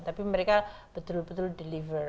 tapi mereka betul betul deliver